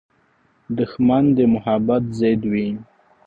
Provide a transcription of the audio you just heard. دښمن د محبت ضد وي